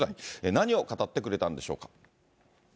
何を語ってくれたんでしょうか。